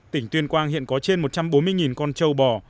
tỉnh tuyên quang hiện có trên một trăm bốn mươi con trâu bò